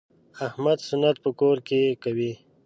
احمد سنت په کور کې کوي.